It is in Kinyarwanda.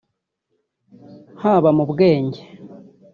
haba mu bwenge